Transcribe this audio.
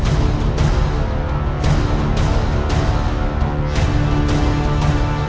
terima kasih bapak